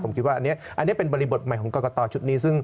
ผมคิดว่าอันนี้เป็นบริบทใหม่ของกรกตชุดนี้ซึ่ง